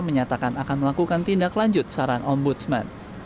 menyatakan akan melakukan tindak lanjut saran ombudsman